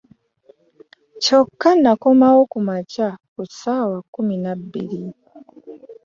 Kyokka n'akomawo ku makya ku ssaawa kkumi na bbiri